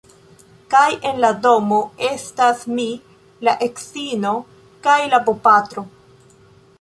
Kaj en la domo estas mi, la edzino kaj la bopatro.